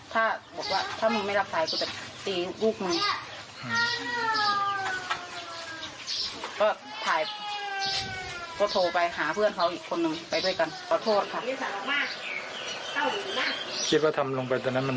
แต่นั้นมันเป็นเพราะอะไร